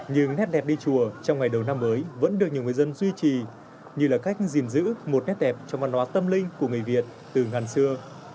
nhưng nét đẹp đi chùa trong ngày đầu năm mới vẫn được nhiều người dân duy trì như là cách gìn giữ một nét đẹp trong văn hóa tâm linh của người việt từ ngàn xưa